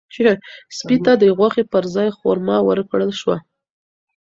سپي ته د غوښې پر ځای خورما ورکړل شوه.